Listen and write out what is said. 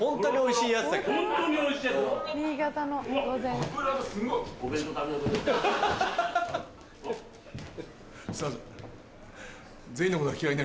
すいません。